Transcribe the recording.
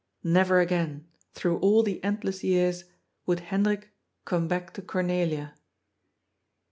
Never again, through all the endless years would Hendrik come back to Cornelia.